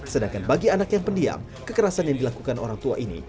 sedangkan bagi anak yang pendiam kekerasan yang dilakukan orang tua ini